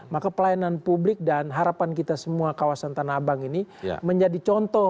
maka pelayanan publik dan harapan kita semua kawasan tanah abang ini menjadi contoh